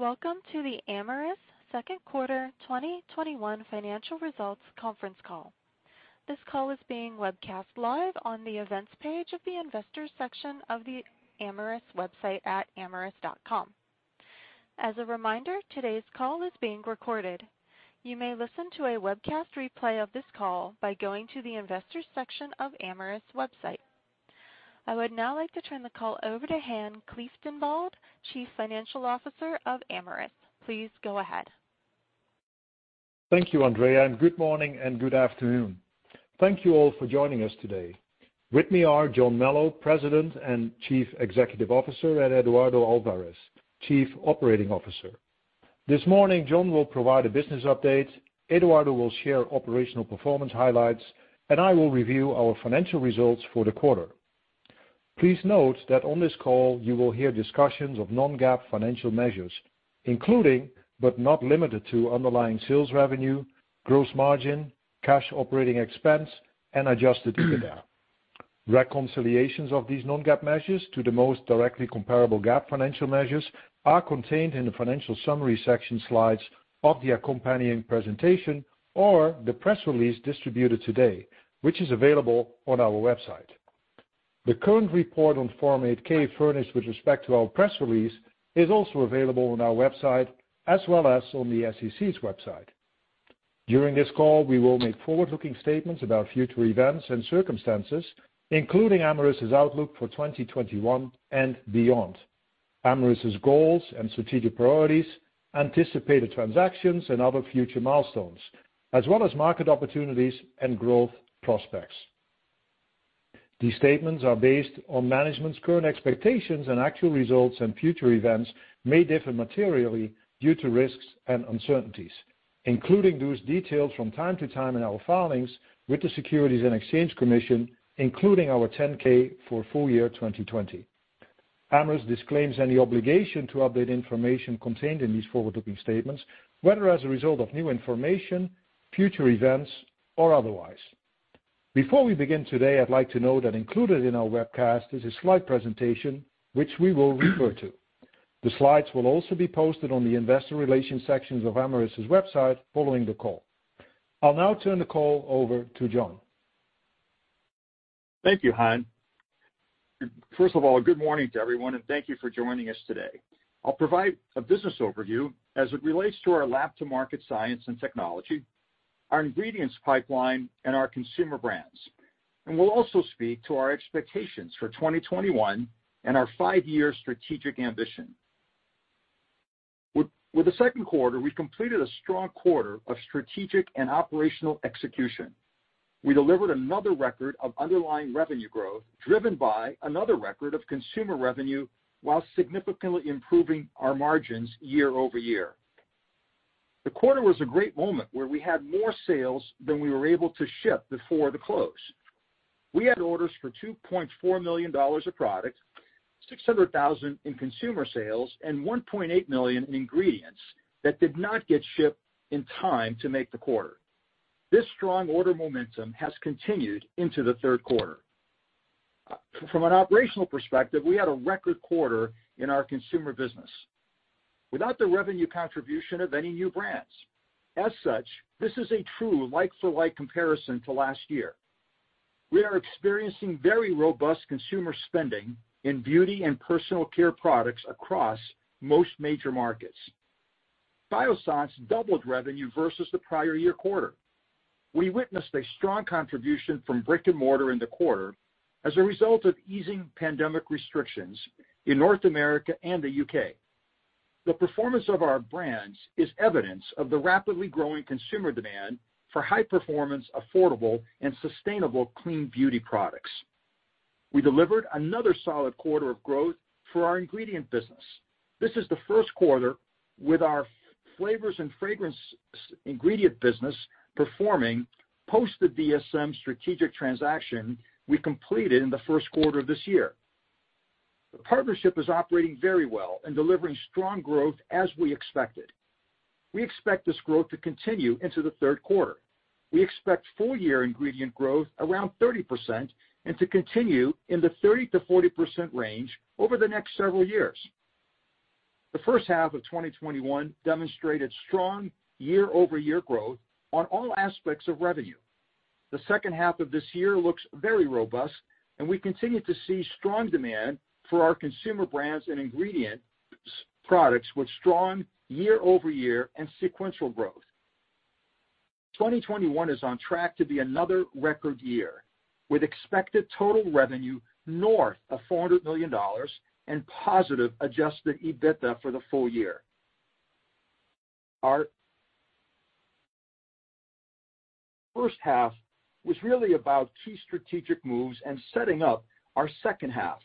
Welcome to the Amyris second quarter 2021 financial results conference call. This call is being webcast live on the Events page of the Investors section of the Amyris website at amyris.com. As a reminder, today's call is being recorded. You may listen to a webcast replay of this call by going to the Investors section of Amyris website. I would now like to turn the call over to Han Kieftenbeld, Chief Financial Officer of Amyris. Please go ahead. Thank you, Andrea. Good morning and good afternoon. Thank you all for joining us today. With me are John Melo, President and Chief Executive Officer, and Eduardo Alvarez, Chief Operating Officer. This morning, John will provide a business update, Eduardo will share operational performance highlights, and I will review our financial results for the quarter. Please note that on this call you will hear discussions of non-GAAP financial measures, including but not limited to underlying sales revenue, gross margin, cash operating expense, and adjusted EBITDA. Reconciliations of these non-GAAP measures to the most directly comparable GAAP financial measures are contained in the financial summary section slides of the accompanying presentation or the press release distributed today, which is available on our website. The current report on Form 8-K furnished with respect to our press release is also available on our website as well as on the SEC's website. During this call, we will make forward-looking statements about future events and circumstances, including Amyris's outlook for 2021 and beyond, Amyris's goals and strategic priorities, anticipated transactions and other future milestones, as well as market opportunities and growth prospects. These statements are based on management's current expectations and actual results and future events may differ materially due to risks and uncertainties, including those detailed from time to time in our filings with the Securities and Exchange Commission, including our 10-K for full year 2020. Amyris disclaims any obligation to update information contained in these forward-looking statements, whether as a result of new information, future events, or otherwise. Before we begin today, I'd like to note that included in our webcast is a slide presentation which we will refer to. The slides will also be posted on the Investor Relations sections of Amyris's website following the call. I'll now turn the call over to John. Thank you, Han. First of all, good morning to everyone, and thank you for joining us today. I'll provide a business overview as it relates to our lab-to-market science and technology, our ingredients pipeline, and our consumer brands. We'll also speak to our expectations for 2021 and our 5-year strategic ambition. With the second quarter, we completed a strong quarter of strategic and operational execution. We delivered another record of underlying revenue growth driven by another record of consumer revenue while significantly improving our margins year-over-year. The quarter was a great moment where we had more sales than we were able to ship before the close. We had orders for $2.4 million of product, $600,000 in consumer sales, and $1.8 million in ingredients that did not get shipped in time to make the quarter. This strong order momentum has continued into the third quarter. From an operational perspective, we had a record quarter in our consumer business without the revenue contribution of any new brands. This is a true like-for-like comparison to last year. We are experiencing very robust consumer spending in beauty and personal care products across most major markets. Biossance doubled revenue versus the prior year quarter. We witnessed a strong contribution from brick-and-mortar in the quarter as a result of easing pandemic restrictions in North America and the U.K. The performance of our brands is evidence of the rapidly growing consumer demand for high performance, affordable, and sustainable clean beauty products. We delivered another solid quarter of growth for our ingredient business. This is the first quarter with our flavors and fragrance ingredient business performing post the DSM strategic transaction we completed in the first quarter of this year. The partnership is operating very well and delivering strong growth as we expected. We expect this growth to continue into the third quarter. We expect full-year ingredient growth around 30% and to continue in the 30%-40% range over the next several years. The first half of 2021 demonstrated strong year-over-year growth on all aspects of revenue. The second half of this year looks very robust and we continue to see strong demand for our consumer brands and ingredient products with strong year-over-year and sequential growth. 2021 is on track to be another record year with expected total revenue north of $400 million and positive adjusted EBITDA for the full- year. Our first half was really about key strategic moves and setting up our second half.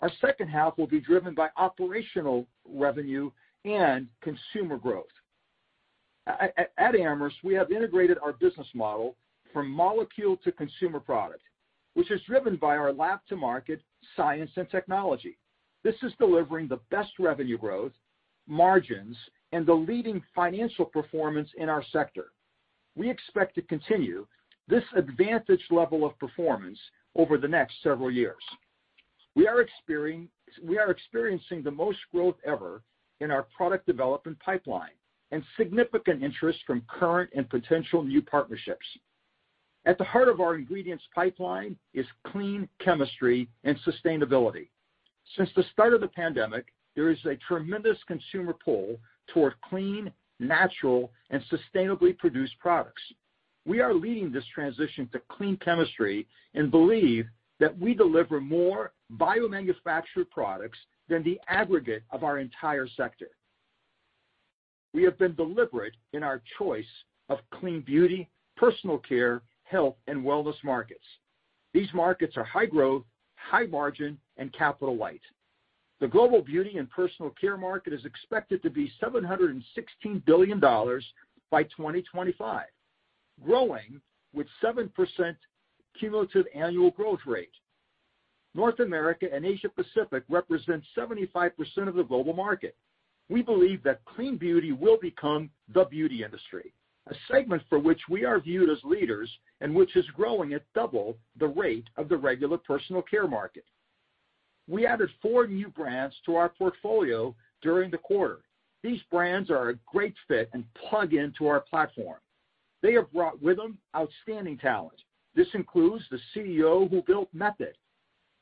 Our second half will be driven by operational revenue and consumer growth. At Amyris, we have integrated our business model from molecule to consumer product, which is driven by our lab-to-market science and technology. This is delivering the best revenue growth, margins, and the leading financial performance in our sector. We expect to continue this advantage level of performance over the next several years. We are experiencing the most growth ever in our product development pipeline and significant interest from current and potential new partnerships. At the heart of our ingredients pipeline is clean chemistry and sustainability. Since the start of the pandemic, there is a tremendous consumer pull toward clean, natural, and sustainably produced products. We are leading this transition to clean chemistry and believe that we deliver more biomanufactured products than the aggregate of our entire sector. We have been deliberate in our choice of clean beauty, personal care, health, and wellness markets. These markets are high growth, high margin, and capital light. The global beauty and personal care market is expected to be $716 billion by 2025, growing with 7% cumulative annual growth rate. North America and Asia Pacific represent 75% of the global market. We believe that clean beauty will become the beauty industry, a segment for which we are viewed as leaders and which is growing at double the rate of the regular personal care market. We added four new brands to our portfolio during the quarter. These brands are a great fit and plug into our platform. They have brought with them outstanding talent. This includes the CEO who built Method,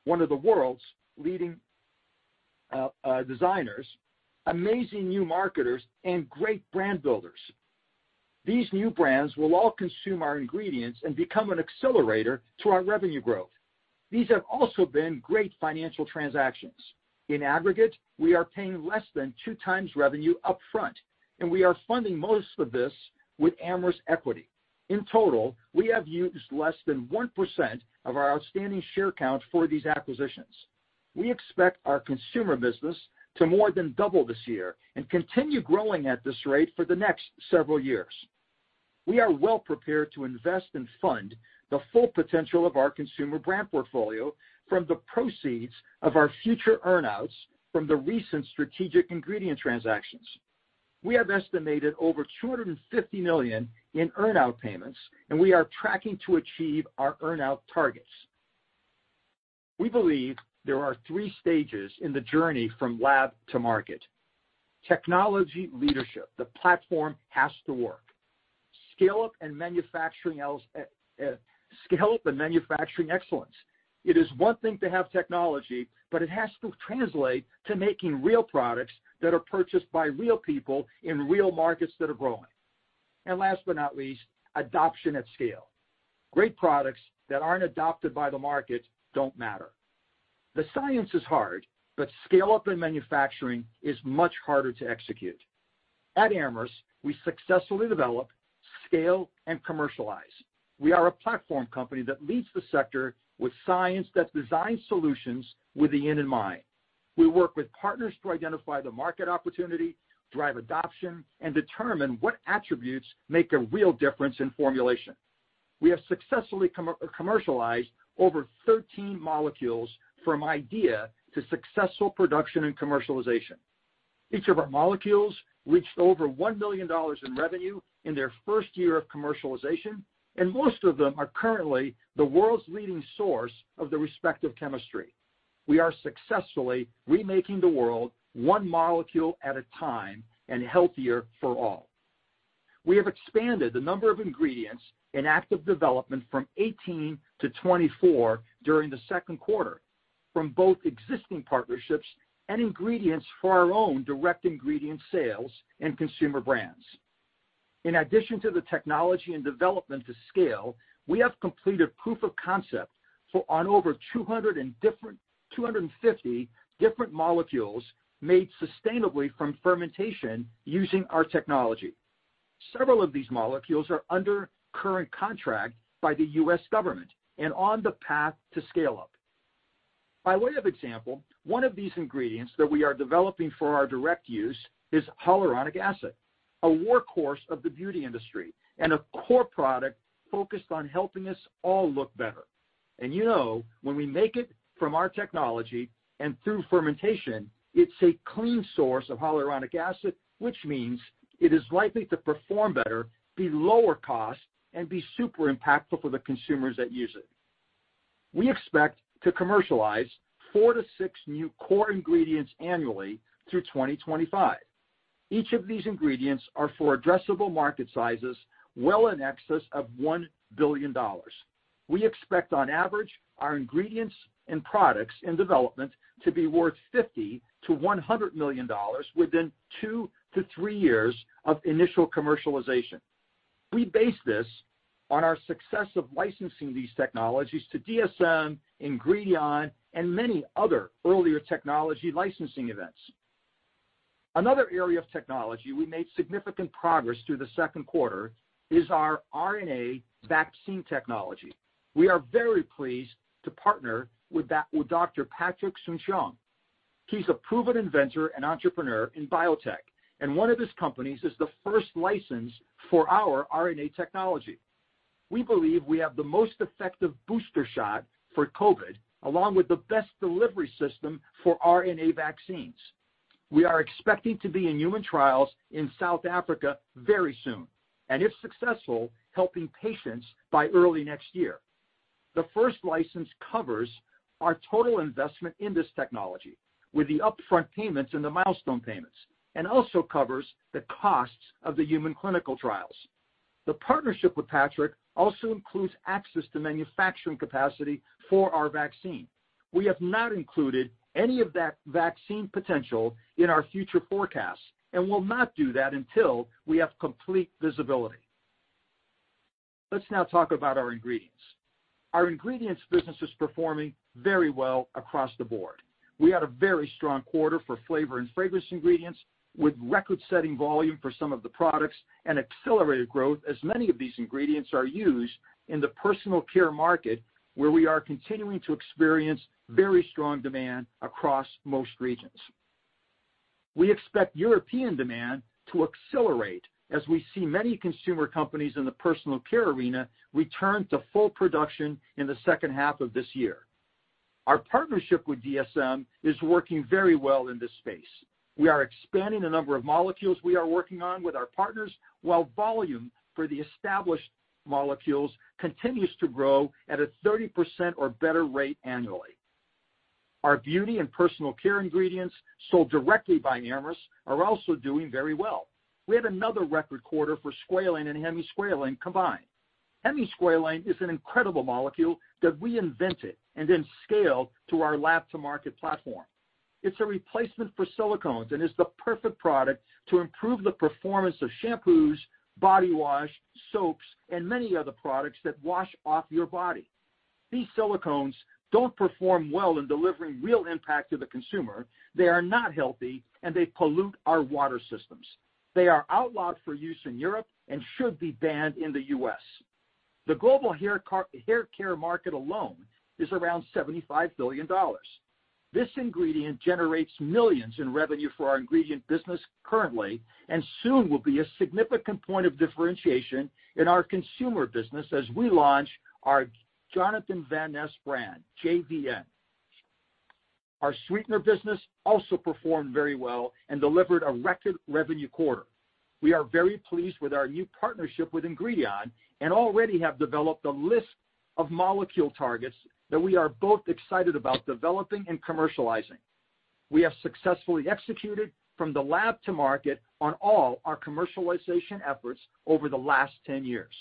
one of the world's leading designers, amazing new marketers, and great brand builders. These new brands will all consume our ingredients and become an accelerator to our revenue growth. These have also been great financial transactions. In aggregate, we are paying less than two times revenue upfront, and we are funding most of this with Amyris equity. In total, we have used less than 1% of our outstanding share count for these acquisitions. We expect our consumer business to more than double this year and continue growing at this rate for the next several years. We are well prepared to invest and fund the full potential of our consumer brand portfolio from the proceeds of our future earn-outs from the recent strategic ingredient transactions. We have estimated over $250 million in earn-out payments, and we are tracking to achieve our earn-out targets. We believe there are three stages in the journey from lab to market. Technology leadership. The platform has to work. Scale-up and manufacturing excellence. It is one thing to have technology, but it has to translate to making real products that are purchased by real people in real markets that are growing. Last but not least, adoption at scale. Great products that aren't adopted by the market don't matter. The science is hard, but scale-up and manufacturing is much harder to execute. At Amyris, we successfully develop, scale, and commercialize. We are a platform company that leads the sector with science that designs solutions with the end in mind. We work with partners to identify the market opportunity, drive adoption, and determine what attributes make a real difference in formulation. We have successfully commercialized over 13 molecules from idea to successful production and commercialization. Each of our molecules reached over $1 million in revenue in their first year of commercialization, and most of them are currently the world's leading source of their respective chemistry. We are successfully remaking the world one molecule at a time and healthier for all. We have expanded the number of ingredients in active development from 18 to 24 during the second quarter from both existing partnerships and ingredients for our own direct ingredient sales and consumer brands. In addition to the technology and development to scale, we have completed proof of concept on over 250 different molecules made sustainably from fermentation using our technology. Several of these molecules are under current contract by the U.S. government and on the path to scale up. By way of example, one of these ingredients that we are developing for our direct use is hyaluronic acid, a workhorse of the beauty industry and a core product focused on helping us all look better. You know, when we make it from our technology and through fermentation, it's a clean source of hyaluronic acid, which means it is likely to perform better, be lower cost, and be super impactful for the consumers that use it. We expect to commercialize four to six new core ingredients annually through 2025. Each of these ingredients are for addressable market sizes well in excess of $1 billion. We expect on average, our ingredients and products in development to be worth $50 million-$100 million within two to three years of initial commercialization. We base this on our success of licensing these technologies to DSM, Ingredion, and many other earlier technology licensing events. Another area of technology we made significant progress through the second quarter is our RNA vaccine technology. We are very pleased to partner with Dr. Patrick Soon-Shiong. He's a proven inventor and entrepreneur in biotech, and one of his companies is the first license for our RNA technology. We believe we have the most effective booster shot for COVID, along with the best delivery system for RNA vaccines. We are expecting to be in human trials in South Africa very soon, and if successful, helping patients by early next year. The first license covers our total investment in this technology with the upfront payments and the milestone payments, and also covers the costs of the human clinical trials. The partnership with Patrick also includes access to manufacturing capacity for our vaccine. We have not included any of that vaccine potential in our future forecasts and will not do that until we have complete visibility. Let's now talk about our ingredients. Our ingredients business is performing very well across the board. We had a very strong quarter for flavor and fragrance ingredients, with record-setting volume for some of the products and accelerated growth as many of these ingredients are used in the personal care market, where we are continuing to experience very strong demand across most regions. We expect European demand to accelerate as we see many consumer companies in the personal care arena return to full production in the second half of this year. Our partnership with DSM is working very well in this space. We are expanding the number of molecules we are working on with our partners, while volume for the established molecules continues to grow at a 30% or better rate annually. Our beauty and personal care ingredients sold directly by Amyris are also doing very well. We had another record quarter for squalane and hemisqualane combined. Hemisqualane is an incredible molecule that we invented and then scaled through our lab-to-market platform. It's a replacement for silicones and is the perfect product to improve the performance of shampoos, body wash, soaps, and many other products that wash off your body. These silicones don't perform well in delivering real impact to the consumer. They are not healthy, and they pollute our water systems. They are outlawed for use in Europe and should be banned in the U.S. The global haircare market alone is around $75 billion. This ingredient generates millions in revenue for our ingredient business currently, and soon will be a significant point of differentiation in our consumer business as we launch our Jonathan Van Ness brand, JVN. Our sweetener business also performed very well and delivered a record revenue quarter. We are very pleased with our new partnership with Ingredion and already have developed a list of molecule targets that we are both excited about developing and commercializing. We have successfully executed from the lab to market on all our commercialization efforts over the last 10 years.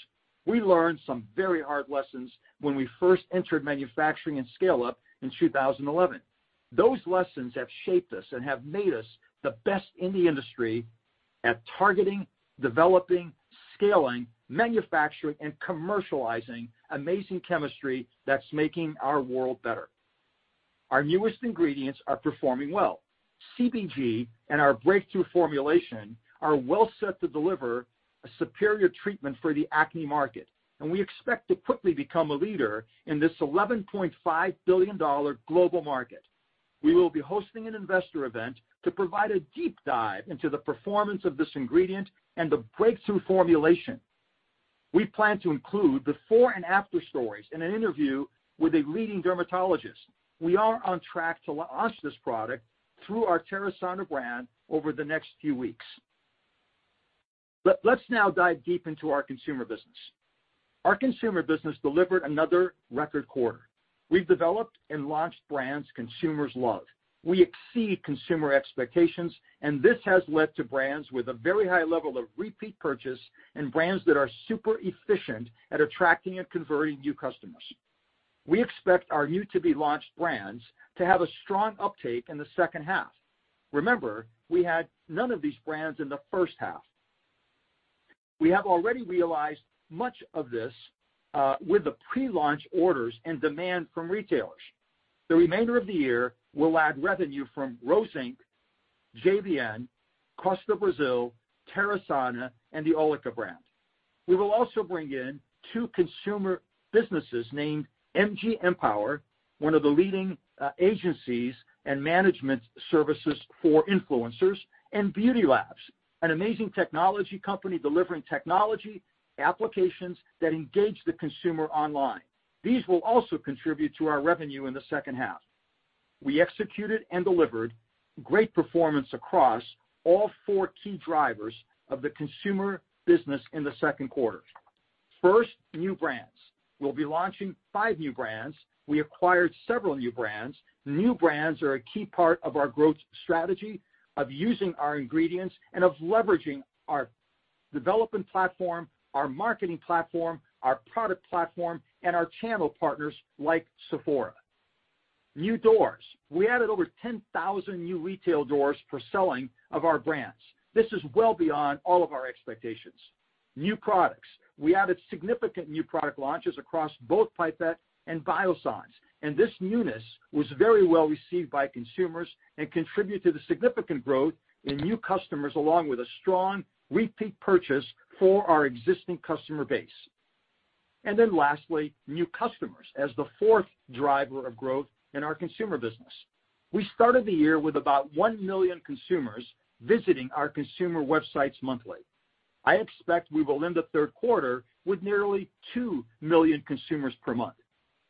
We learned some very hard lessons when we first entered manufacturing and scale-up in 2011. Those lessons have shaped us and have made us the best in the industry at targeting, developing, scaling, manufacturing, and commercializing amazing chemistry that's making our world better. Our newest ingredients are performing well. CBG and our breakthrough formulation are well set to deliver a superior treatment for the acne market, and we expect to quickly become a leader in this $11.5 billion global market. We will be hosting an investor event to provide a deep dive into the performance of this ingredient and the breakthrough formulation. We plan to include before and after stories in an interview with a leading dermatologist. We are on track to launch this product through our Terasana brand over the next few weeks. Let's now dive deep into our consumer business. Our consumer business delivered another record quarter. We've developed and launched brands consumers love. We exceed consumer expectations, and this has led to brands with a very high level of repeat purchase and brands that are super efficient at attracting and converting new customers. We expect our new to be launched brands to have a strong uptake in the second half. Remember, we had none of these brands in the first half. We have already realized much of this with the pre-launch orders and demand from retailers. The remainder of the year will add revenue from Rose Inc., JVN, Costa Brazil, Terasana, and the Olika brand. We will also bring in two consumer businesses named MG Empower, one of the leading agencies and management services for influencers, and Beauty Labs, an amazing technology company delivering technology applications that engage the consumer online. These will also contribute to our revenue in the second half. We executed and delivered great performance across all 4 key drivers of the consumer business in the second quarter. First, new brands. We'll be launching 5 new brands. We acquired several new brands. New brands are a key part of our growth strategy of using our ingredients and of leveraging our development platform, our marketing platform, our product platform, and our channel partners like Sephora. New doors. We added over 10,000 new retail doors for selling of our brands. This is well beyond all of our expectations. New products. We added significant new product launches across both Pipette and Biossance, and this newness was very well received by consumers and contributed to the significant growth in new customers, along with a strong repeat purchase for our existing customer base. Lastly, new customers as the fourth driver of growth in our consumer business. We started the year with about 1 million consumers visiting our consumer websites monthly. I expect we will end the third quarter with nearly 2 million consumers per month.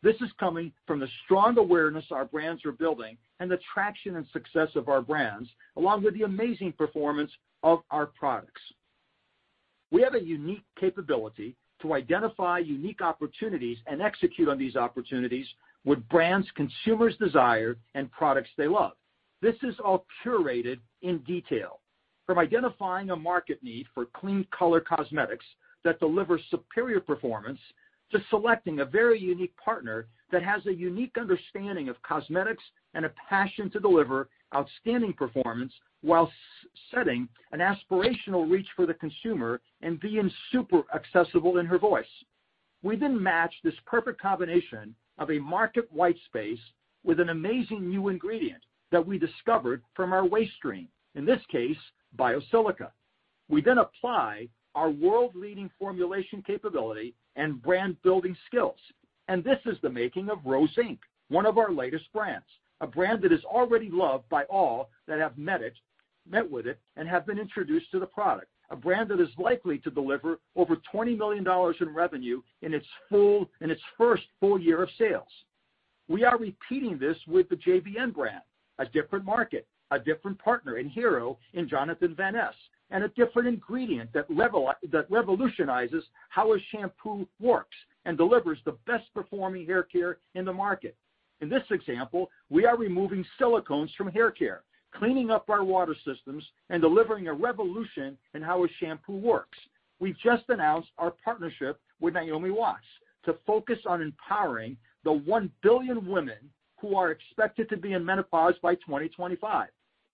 This is coming from the strong awareness our brands are building and the traction and success of our brands, along with the amazing performance of our products. We have a unique capability to identify unique opportunities and execute on these opportunities with brands consumers desire and products they love. This is all curated in detail. From identifying a market need for clean color cosmetics that deliver superior performance, to selecting a very unique partner that has a unique understanding of cosmetics and a passion to deliver outstanding performance while setting an aspirational reach for the consumer and being super accessible in her voice. We match this perfect combination of a market white space with an amazing new ingredient that we discovered from our waste stream, in this case, Biosilica. We then apply our world-leading formulation capability and brand-building skills, and this is the making of Rose Inc, one of our latest brands. A brand that is already loved by all that have met with it and have been introduced to the product. A brand that is likely to deliver over $20 million in revenue in its first full- year of sales. We are repeating this with the JVN brand, a different market, a different partner and hero in Jonathan Van Ness, and a different ingredient that revolutionizes how a shampoo works and delivers the best-performing haircare in the market. In this example, we are removing silicones from haircare, cleaning up our water systems, and delivering a revolution in how a shampoo works. We've just announced our partnership with Naomi Watts to focus on empowering the 1 billion women who are expected to be in menopause by 2025.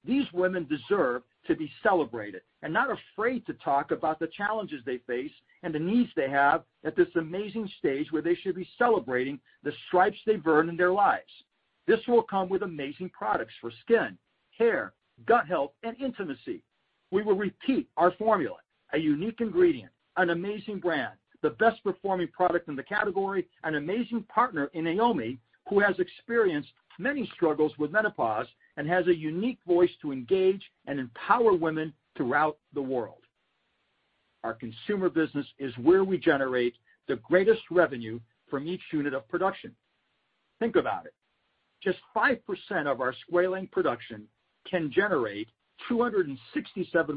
These women deserve to be celebrated and not afraid to talk about the challenges they face and the needs they have at this amazing stage where they should be celebrating the stripes they've earned in their lives. This will come with amazing products for skin, hair, gut health, and intimacy. We will repeat our formula: a unique ingredient, an amazing brand, the best-performing product in the category, an amazing partner in Naomi, who has experienced many struggles with menopause and has a unique voice to engage and empower women throughout the world. Our consumer business is where we generate the greatest revenue from each unit of production. Think about it. Just 5% of our squalane production can generate $267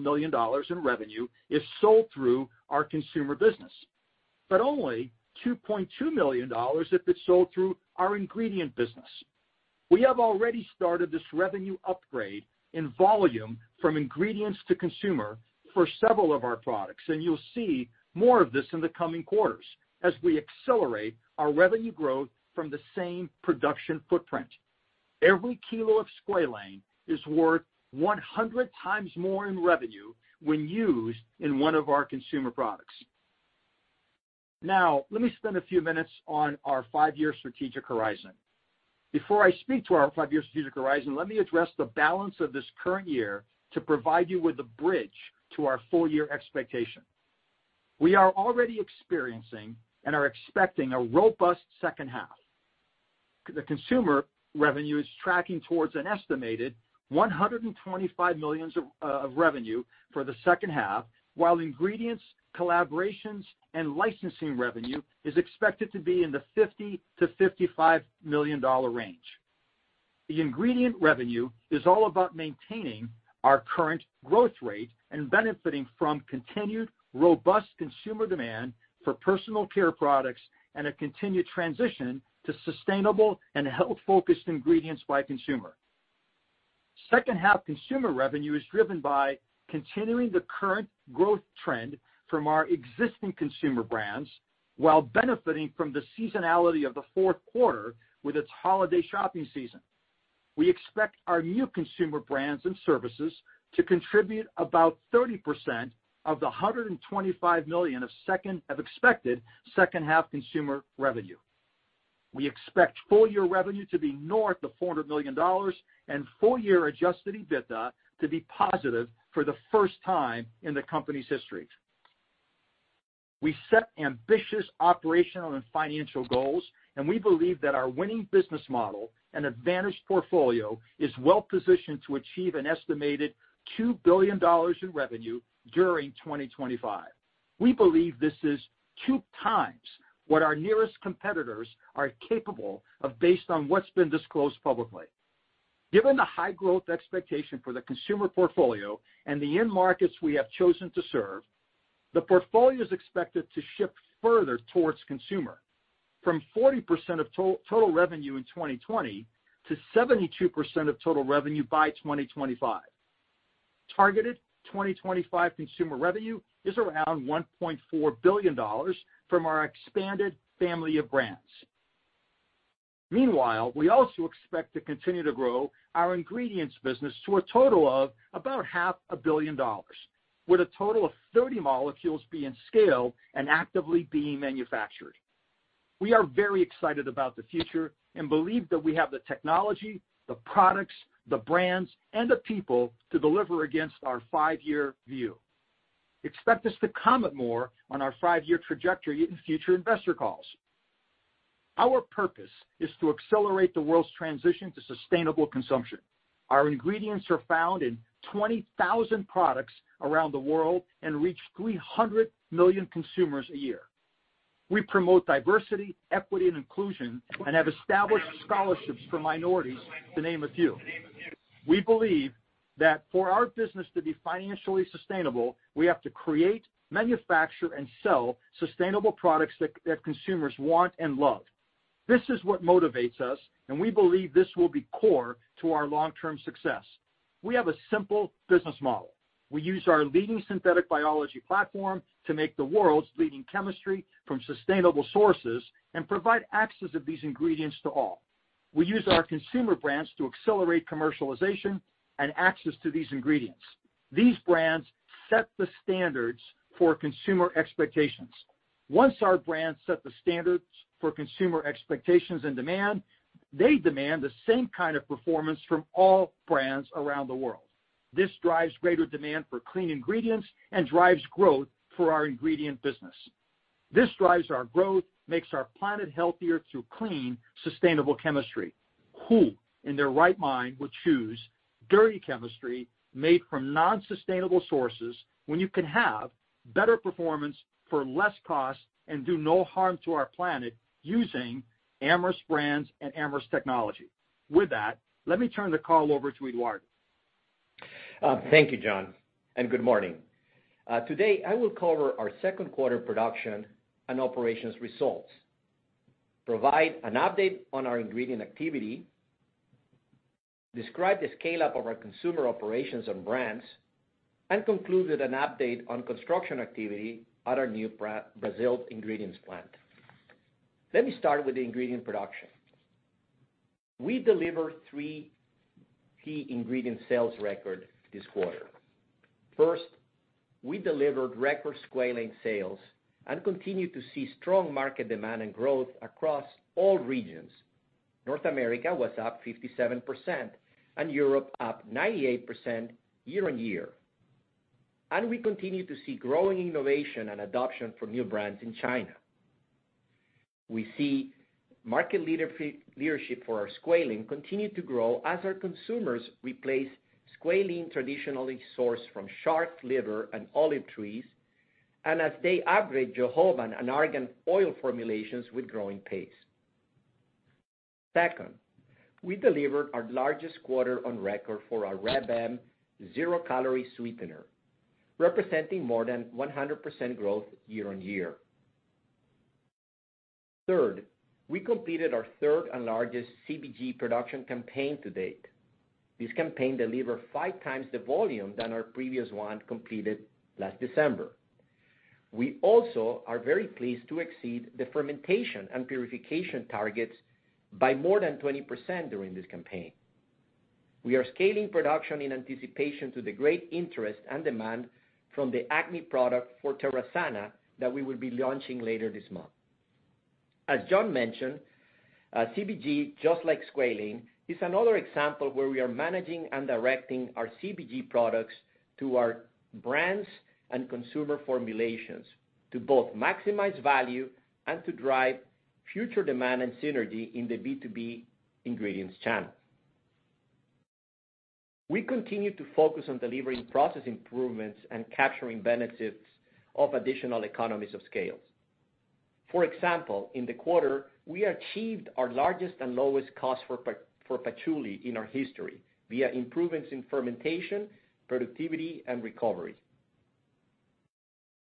million in revenue if sold through our consumer business, but only $2.2 million if it's sold through our ingredient business. We have already started this revenue upgrade in volume from ingredients to consumer for several of our products, and you'll see more of this in the coming quarters as we accelerate our revenue growth from the same production footprint. Every kilo of squalane is worth 100 times more in revenue when used in one of our consumer products. Let me spend a few minutes on our five-year strategic horizon. Before I speak to our five-year strategic horizon, let me address the balance of this current year to provide you with a bridge to our full-year expectation. We are already experiencing and are expecting a robust second half. The consumer revenue is tracking towards an estimated $125 million of revenue for the second half, while ingredients, collaborations, and licensing revenue is expected to be in the $50 million-$55 million range. The ingredient revenue is all about maintaining our current growth rate and benefiting from continued robust consumer demand for personal care products and a continued transition to sustainable and health-focused ingredients by consumer. Second half consumer revenue is driven by continuing the current growth trend from our existing consumer brands while benefiting from the seasonality of the fourth quarter with its holiday shopping season. We expect our new consumer brands and services to contribute about 30% of the $125 million of expected second-half consumer revenue. We expect full-year revenue to be north of $400 million and full-year adjusted EBITDA to be positive for the first time in the company's history. We set ambitious operational and financial goals, and we believe that our winning business model and advantaged portfolio is well-positioned to achieve an estimated $2 billion in revenue during 2025. We believe this is two times what our nearest competitors are capable of based on what's been disclosed publicly. Given the high growth expectation for the consumer portfolio and the end markets we have chosen to serve, the portfolio is expected to shift further towards consumer. From 40% of total revenue in 2020 to 72% of total revenue by 2025. Targeted 2025 consumer revenue is around $1.4 billion from our expanded family of brands. Meanwhile, we also expect to continue to grow our ingredients business to a total of about half a billion dollars, with a total of 30 molecules being scaled and actively being manufactured. We are very excited about the future and believe that we have the technology, the products, the brands, and the people to deliver against our five-year view. Expect us to comment more on our five-year trajectory in future investor calls. Our purpose is to accelerate the world's transition to sustainable consumption. Our ingredients are found in 20,000 products around the world and reach 300 million consumers a year. We promote diversity, equity, and inclusion and have established scholarships for minorities, to name a few. We believe that for our business to be financially sustainable, we have to create, manufacture, and sell sustainable products that consumers want and love. This is what motivates us, and we believe this will be core to our long-term success. We have a simple business model. We use our leading synthetic biology platform to make the world's leading chemistry from sustainable sources and provide access of these ingredients to all. We use our consumer brands to accelerate commercialization and access to these ingredients. These brands set the standards for consumer expectations. Once our brands set the standards for consumer expectations and demand, they demand the same kind of performance from all brands around the world. This drives greater demand for clean ingredients and drives growth for our ingredient business. This drives our growth, makes our planet healthier through clean, sustainable chemistry. Who, in their right mind, would choose dirty chemistry made from non-sustainable sources when you can have better performance for less cost and do no harm to our planet using Amyris brands and Amyris technology? With that, let me turn the call over to Eduardo. Thank you, John, and good morning. Today, I will cover our second quarter production and operations results, provide an update on our ingredient activity, describe the scale-up of our consumer operations and brands, and conclude with an update on construction activity at our new Brazil ingredients plant. Let me start with the ingredient production. We delivered three key ingredient sales record this quarter. First, we delivered record squalane sales and continue to see strong market demand and growth across all regions. North America was up 57% and Europe up 98% year-on-year. We continue to see growing innovation and adoption for new brands in China. We see market leadership for our squalane continue to grow as our consumers replace squalane traditionally sourced from shark liver and olive trees, and as they upgrade jojoba and argan oil formulations with growing pace. Second, we delivered our largest quarter on record for our Reb M zero-calorie sweetener, representing more than 100% growth year-on-year. Third, we completed our third and largest CBG production campaign to date. This campaign delivered five times the volume than our previous one completed last December. We also are very pleased to exceed the fermentation and purification targets by more than 20% during this campaign. We are scaling production in anticipation to the great interest and demand from the acne product for Terasana that we will be launching later this month. As John mentioned, CBG, just like squalane, is another example where we are managing and directing our CBG products to our brands and consumer formulations to both maximize value and to drive future demand and synergy in the B2B ingredients channel. We continue to focus on delivering process improvements and capturing benefits of additional economies of scale. For example, in the quarter, we achieved our largest and lowest cost for patchouli in our history via improvements in fermentation, productivity, and recovery.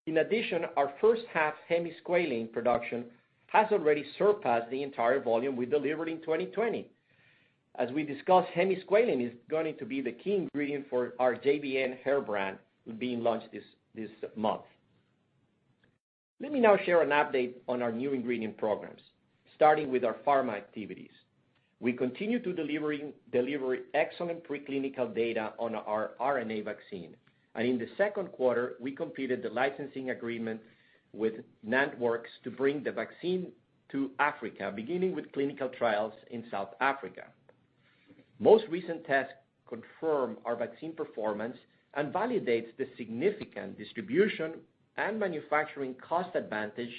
In addition, our first half hemisqualane production has already surpassed the entire volume we delivered in 2020. As we discussed, hemisqualane is going to be the key ingredient for our JVN hair brand being launched this month. Let me now share an update on our new ingredient programs, starting with our pharma activities. We continue to deliver excellent preclinical data on our RNA vaccine, and in the second quarter, we completed the licensing agreement with NantWorks to bring the vaccine to Africa, beginning with clinical trials in South Africa. Most recent tests confirm our vaccine performance and validates the significant distribution and manufacturing cost advantage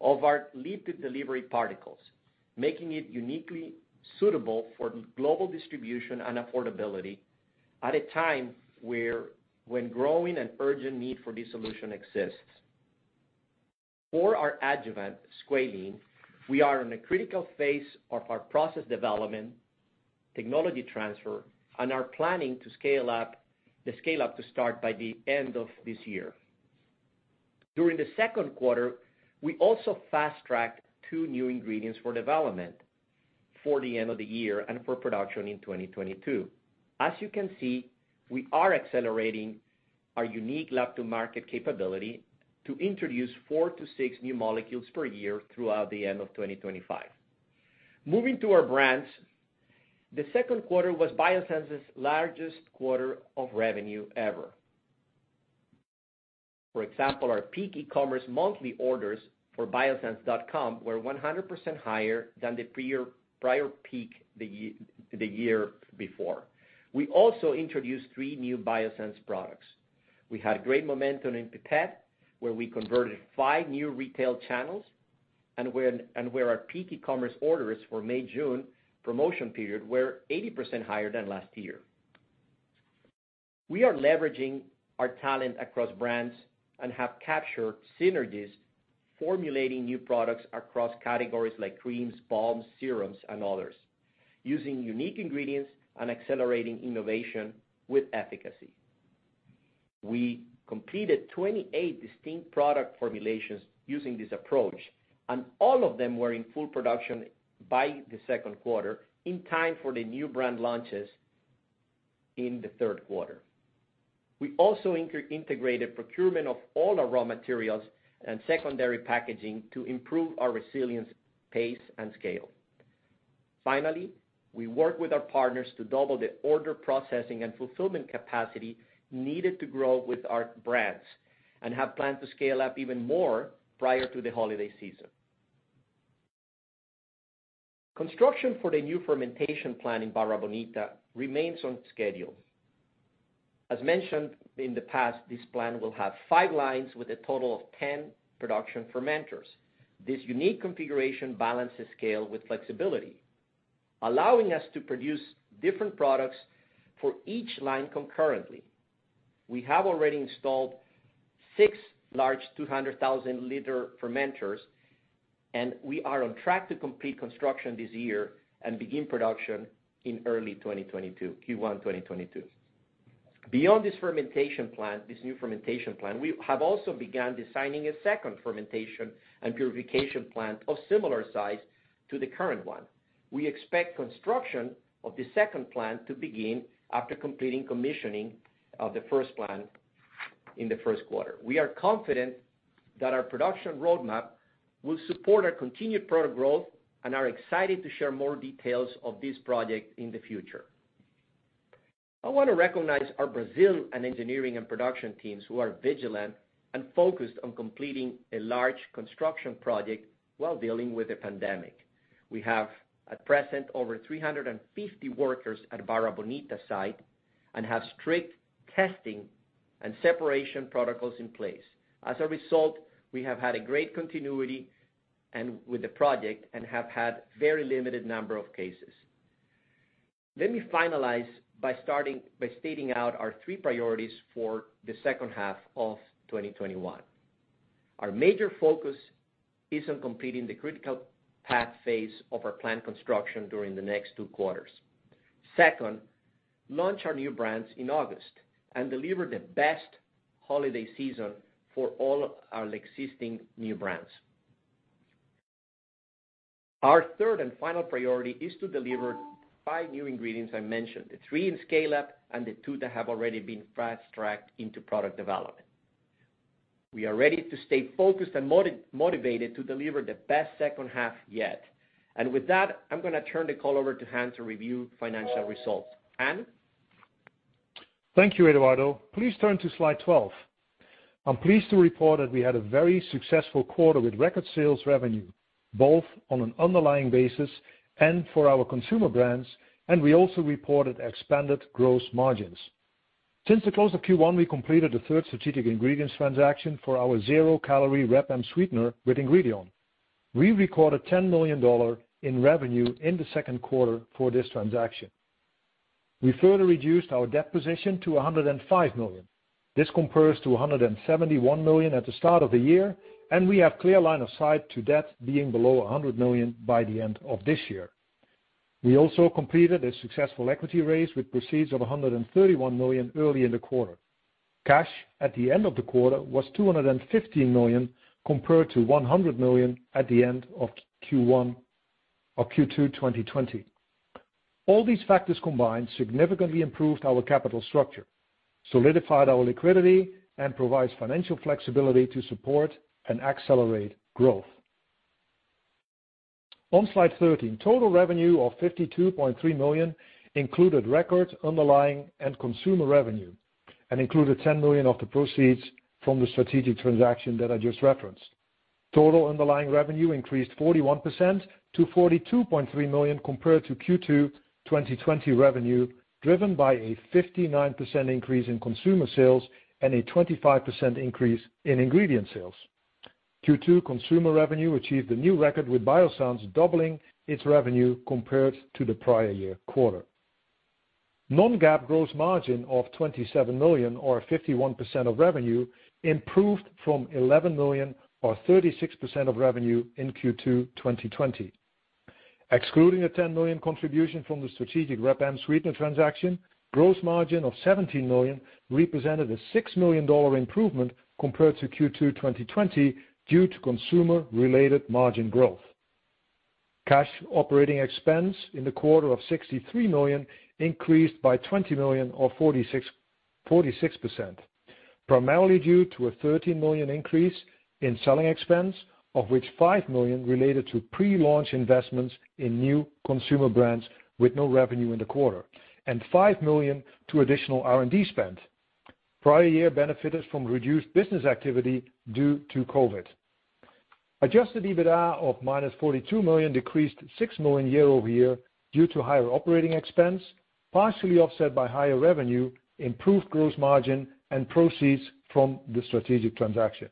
of our lipid delivery particles, making it uniquely suitable for global distribution and affordability at a time when growing and urgent need for this solution exists. For our adjuvant squalene, we are in a critical phase of our process development, technology transfer, and are planning the scale-up to start by the end of this year. During the second quarter, we also fast-tracked two new ingredients for development for the end of the year and for production in 2022. As you can see, we are accelerating our unique lab-to-market capability to introduce four to six new molecules per year throughout the end of 2025. Moving to our brands, the second quarter was Biossance's largest quarter of revenue ever. For example, our peak e-commerce monthly orders for biossance.com were 100% higher than the prior peak the year before. We also introduced three new Biossance products. We had great momentum in pet, where we converted five new retail channels. Where our peak e-commerce orders for May, June promotion period were 80% higher than last year. We are leveraging our talent across brands and have captured synergies formulating new products across categories like creams, balms, serums, and others, using unique ingredients and accelerating innovation with efficacy. We completed 28 distinct product formulations using this approach, and all of them were in full production by the second quarter, in time for the new brand launches in the third quarter. We also integrated procurement of all our raw materials and secondary packaging to improve our resilience, pace, and scale. Finally, we worked with our partners to double the order processing and fulfillment capacity needed to grow with our brands, and have planned to scale up even more prior to the holiday season. Construction for the new fermentation plant in Barra Bonita remains on schedule. As mentioned in the past, this plant will have 5 lines with a total of 10 production fermenters. This unique configuration balances scale with flexibility, allowing us to produce different products for each line concurrently. We have already installed 6 large 200,000-liter fermenters, and we are on track to complete construction this year and begin production in early 2022, Q1 2022. Beyond this new fermentation plant, we have also begun designing a second fermentation and purification plant of similar size to the current one. We expect construction of the second plant to begin after completing commissioning of the first plant in the first quarter. We are confident that our production roadmap will support our continued product growth and are excited to share more details of this project in the future. I want to recognize our Brazil and engineering and production teams who are vigilant and focused on completing a large construction project while dealing with a pandemic. We have, at present, over 350 workers at Barra Bonita site and have strict testing and separation protocols in place. As a result, we have had a great continuity and with the project and have had very limited number of cases. Let me finalize by stating out our three priorities for the second half of 2021. Our major focus is on completing the critical path phase of our plant construction during the next two quarters. Second, launch our new brands in August and deliver the best holiday season for all our existing new brands. Our third and final priority is to deliver 5 new ingredients I mentioned, the 3 in scale-up and the 2 that have already been fast-tracked into product development. We are ready to stay focused and motivated to deliver the best second half yet. With that, I'm going to turn the call over to Han to review financial results. Han? Thank you, Eduardo. Please turn to slide 12. I'm pleased to report that we had a very successful quarter with record sales revenue, both on an underlying basis and for our consumer brands. We also reported expanded gross margins. Since the close of Q1, we completed the third strategic ingredients transaction for our zero-calorie Reb M sweetener with Ingredion. We recorded $10 million in revenue in the second quarter for this transaction. We further reduced our debt position to $105 million. This compares to $171 million at the start of the year. We have clear line of sight to debt being below $100 million by the end of this year. We also completed a successful equity raise with proceeds of $131 million early in the quarter. Cash at the end of the quarter was $215 million, compared to $100 million at the end of Q2 2020. All these factors combined significantly improved our capital structure, solidified our liquidity, and provides financial flexibility to support and accelerate growth. On Slide 13, total revenue of $52.3 million included record underlying and consumer revenue, and included $10 million of the proceeds from the strategic transaction that I just referenced. Total underlying revenue increased 41% to $42.3 million compared to Q2 2020 revenue, driven by a 59% increase in consumer sales and a 25% increase in ingredient sales. Q2 consumer revenue achieved a new record, with Biossance doubling its revenue compared to the prior year quarter. Non-GAAP gross margin of $27 million or 51% of revenue improved from $11 million or 36% of revenue in Q2 2020. Excluding a $10 million contribution from the strategic Reb M sweetener transaction, gross margin of $17 million represented a $6 million improvement compared to Q2 2020 due to consumer-related margin growth. Cash operating expense in the quarter of $63 million increased by $20 million or 46%, primarily due to a $13 million increase in selling expense, of which $5 million related to pre-launch investments in new consumer brands with no revenue in the quarter, and $5 million to additional R&D spend. Prior year benefited from reduced business activity due to COVID. Adjusted EBITDA of -$42 million decreased $6 million year-over-year due to higher operating expense, partially offset by higher revenue, improved gross margin, and proceeds from the strategic transaction.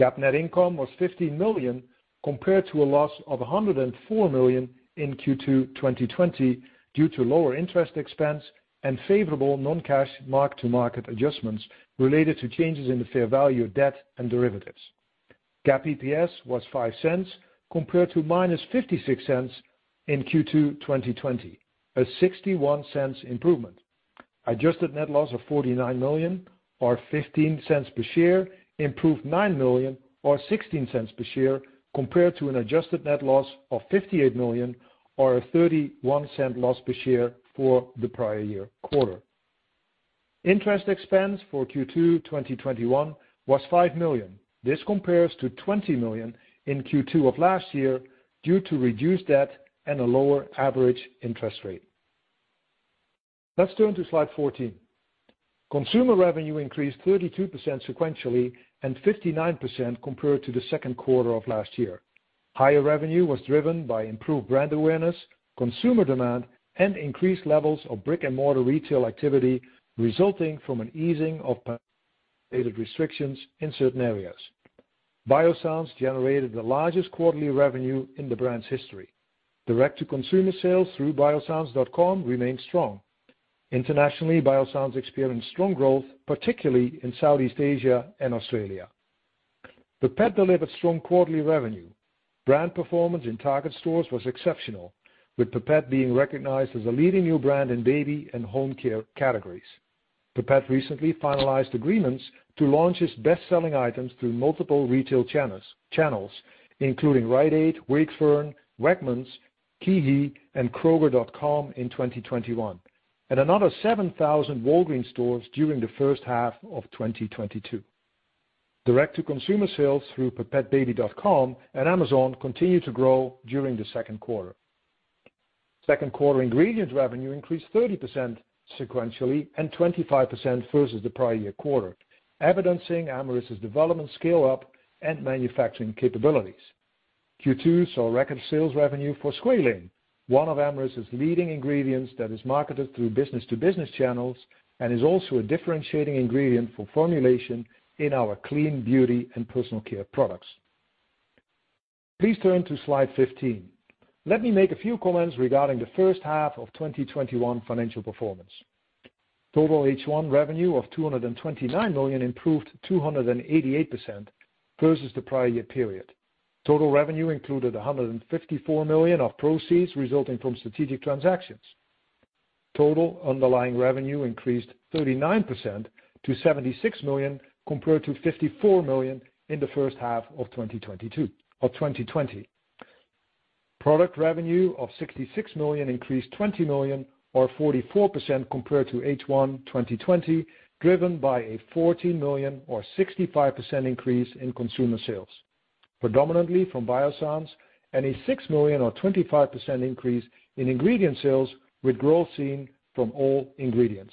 GAAP net income was $15 million compared to a loss of $104 million in Q2 2020, due to lower interest expense and favorable non-cash mark-to-market adjustments related to changes in the fair value of debt and derivatives. GAAP EPS was $0.05, compared to -$0.56 in Q2 2020, a $0.61 improvement. Adjusted net loss of $49 million, or $0.15 per share, improved $9 million or $0.16 per share compared to an adjusted net loss of $58 million or a $0.31 loss per share for the prior year quarter. Interest expense for Q2 2021 was $5 million. This compares to $20 million in Q2 of last year, due to reduced debt and a lower average interest rate. Let's turn to slide 14. Consumer revenue increased 32% sequentially and 59% compared to the second quarter of last year. Higher revenue was driven by improved brand awareness, consumer demand, and increased levels of brick-and-mortar retail activity, resulting from an easing of pandemic-related restrictions in certain areas. Biossance generated the largest quarterly revenue in the brand's history. Direct-to-consumer sales through biossance.com remains strong. Internationally, Biossance experienced strong growth, particularly in Southeast Asia and Australia. Pipette delivered strong quarterly revenue. Brand performance in target stores was exceptional, with Pipette being recognized as a leading new brand in baby and home care categories. Pipette recently finalized agreements to launch its best-selling items through multiple retail channels, including Rite Aid, Wakefern, Wegmans, KeHE, and Kroger in 2021. Another 7,000 Walgreens stores during the first half of 2022. Direct-to-consumer sales through pipettebaby.com and Amazon continued to grow during the second quarter. Second quarter ingredients revenue increased 30% sequentially and 25% versus the prior year quarter, evidencing Amyris' development scale-up and manufacturing capabilities. Q2 saw record sales revenue for squalane, one of Amyris' leading ingredients that is marketed through business-to-business channels and is also a differentiating ingredient for formulation in our clean beauty and personal care products. Please turn to slide 15. Let me make a few comments regarding the first half of 2021 financial performance. Total H1 revenue of $229 million improved 288% versus the prior year period. Total revenue included $154 million of proceeds resulting from strategic transactions. Total underlying revenue increased 39% to $76 million, compared to $54 million in the first half of 2020. Product revenue of $66 million increased $20 million or 44% compared to H1 2020, driven by a $14 million or 65% increase in consumer sales, predominantly from Biossance, and a $6 million or 25% increase in ingredient sales, with growth seen from all ingredients.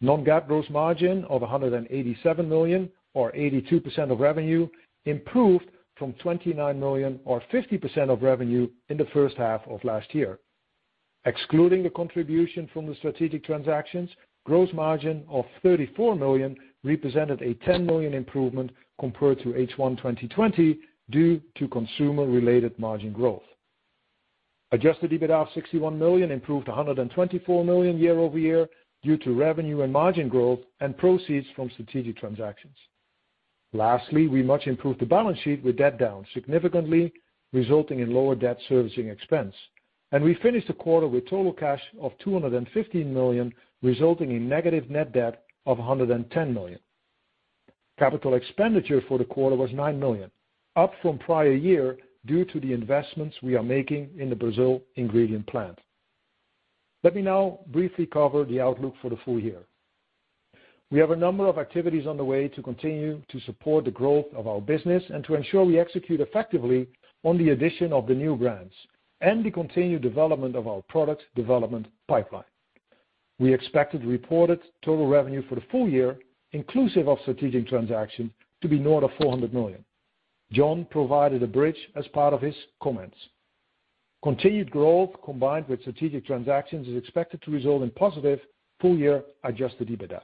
Non-GAAP gross margin of $187 million or 82% of revenue improved from $29 million or 50% of revenue in the first half of last year. Excluding the contribution from the strategic transactions, gross margin of $34 million represented a $10 million improvement compared to H1 2020 due to consumer-related margin growth. Adjusted EBITDA of $61 million improved to $124 million year-over-year due to revenue and margin growth and proceeds from strategic transactions. Lastly, we much improved the balance sheet with debt down significantly, resulting in lower debt servicing expense. We finished the quarter with total cash of $215 million, resulting in negative net debt of $110 million. Capital expenditure for the quarter was $9 million, up from prior year due to the investments we are making in the Brazil ingredient plant. Let me now briefly cover the outlook for the full- year. We have a number of activities on the way to continue to support the growth of our business and to ensure we execute effectively on the addition of the new brands and the continued development of our product development pipeline. We expected reported total revenue for the full- year, inclusive of strategic transactions, to be north of $400 million. John provided a bridge as part of his comments. Continued growth combined with strategic transactions is expected to result in positive full- year adjusted EBITDA.